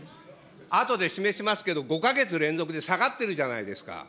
あとで示しますけど、５か月連続で下がってるじゃないですか。